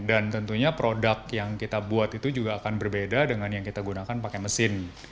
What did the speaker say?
dan tentunya produk yang kita buat itu juga akan berbeda dengan yang kita gunakan pakai mesin